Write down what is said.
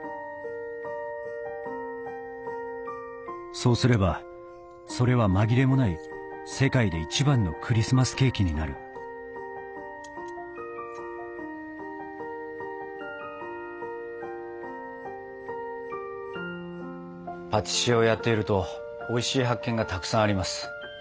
そうすればそれは紛れもない世界で一番のクリスマスケーキになるパティシエをやっているとおいしい発見がたくさんあります。